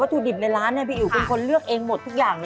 ถุดิบในร้านพี่อิ๋วเป็นคนเลือกเองหมดทุกอย่างเลย